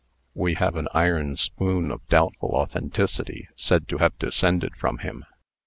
We have an iron spoon of doubtful authenticity, said to have descended from him.